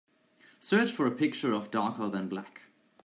Search for a picture of Darker than black